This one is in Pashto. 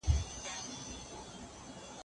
ولي محنتي ځوان د لایق کس په پرتله موخي ترلاسه کوي؟